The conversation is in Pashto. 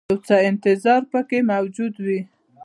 یو څه انتظار پکې موجود وي.